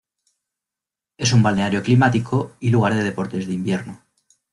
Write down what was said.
Es un balneario climático y lugar de deportes de invierno.